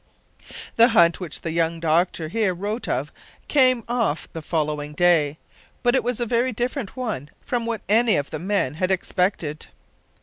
The hunt which the young doctor here wrote of came off the following day, but it was a very different one from what any of the men had expected.